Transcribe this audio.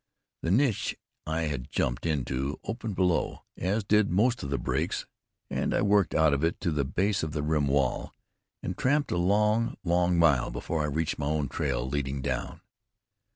The niche I had jumped into opened below, as did most of the breaks, and I worked out of it to the base of the rim wall, and tramped a long, long mile before I reached my own trail leading down.